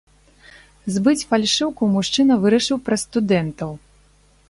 Збыць фальшыўку мужчына вырашыў праз студэнтаў.